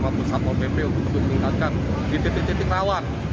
maupun satu opp untuk meningkatkan di titik titik rawat